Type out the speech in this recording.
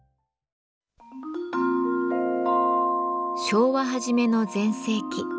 昭和初めの全盛期